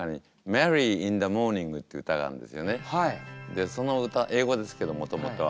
でその歌英語ですけどもともとは。